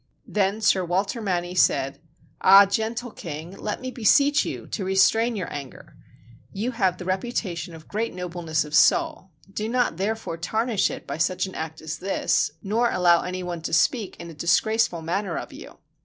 Then Sir Walter Manny said, "Ah, gentle king, let me beseech you to restrain your anger : you have the rep utation of great nobleness of soul, do not therefore tar nish it by such an act as this, nor allow any one to speak in a disgraceful manner of you.